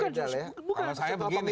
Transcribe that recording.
kalau saya begini